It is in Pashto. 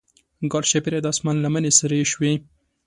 ګرچاپیره د اسمان لمنې سرې شوې.